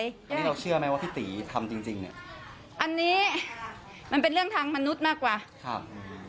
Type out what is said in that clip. อันนี้เราเชื่อไหมว่าพี่ตีทำจริงจริงเนี้ยอันนี้มันเป็นเรื่องทางมนุษย์มากกว่าครับ